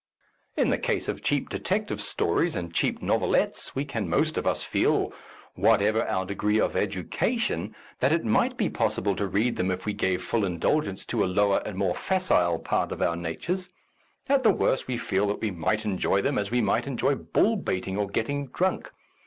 In the case of cheap detective stories and cheap novel ettes, we can most of us feel, whatever our A Defence of Useful Information degree of education, that it might be possi ble to read them if we gave full indulgence to a lower and more facile part of our natures ; at the worst we feel that we might enjoy them as we might enjoy bull baiting or getting drunk.